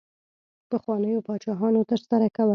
پخوانیو پاچاهانو ترسره کول.